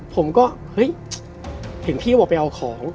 ผมก็เห็นพี่บอกไปเอาของ